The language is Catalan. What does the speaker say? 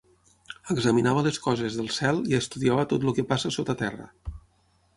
Examinava les coses del cel i estudiava tot el que passa sota terra.